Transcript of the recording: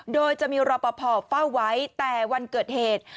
โดยจะมีรอปภเฝ้าไว้แต่วันเกิดเหตุ